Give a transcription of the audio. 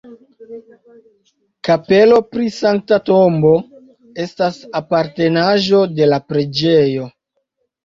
Kapelo pri Sankta Tombo estas apartenaĵo de la preĝejo.